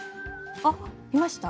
あっいました？